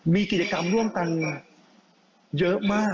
มีกิจกรรมร่วมกันมาเยอะมาก